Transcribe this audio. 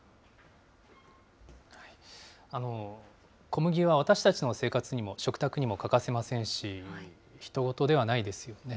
小麦は私たちの生活にも、食卓にも欠かせませんし、ひと事ではないですよね。